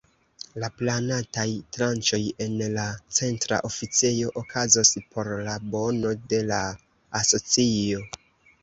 La planataj tranĉoj en la Centra Oficejo okazos por la bono de la asocio.